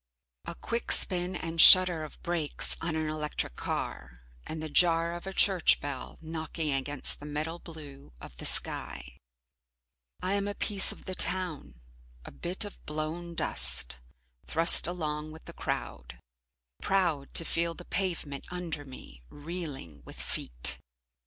A quick spin and shudder of brakes on an electric car, and the jar of a church bell knocking against the metal blue of the sky. I am a piece of the town, a bit of blown dust, thrust along with the crowd. Proud to feel the pavement under me, reeling with feet.